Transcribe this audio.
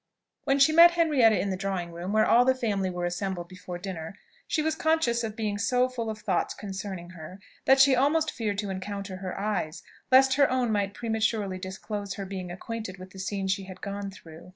When she met Henrietta in the drawing room, where all the family were assembled before dinner, she was conscious of being so full of thoughts concerning her, that she almost feared to encounter her eyes, lest her own might prematurely disclose her being acquainted with the scene she had gone through.